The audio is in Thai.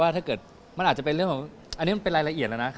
ถ้าเกิดมันอาจจะเป็นเรื่องของอันนี้มันเป็นรายละเอียดแล้วนะ